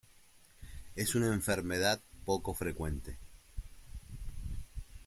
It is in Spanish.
Es una enfermedad poco frecuente.